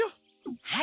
はい。